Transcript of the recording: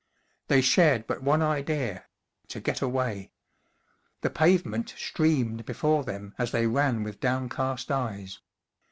They shared but one idea : to get away. The pavement streamed before them as they ran with downcast eyes.